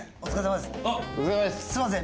すみません。